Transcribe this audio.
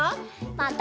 また。